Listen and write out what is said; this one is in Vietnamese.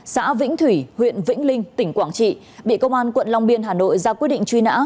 xã vĩnh thủy huyện vĩnh linh tỉnh quảng trị bị công an quận long biên hà nội ra quyết định truy nã